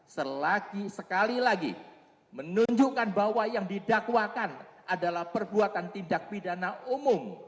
selagi sekali lagi menunjukkan bahwa yang didakwakan adalah perbuatan tindak pidana umum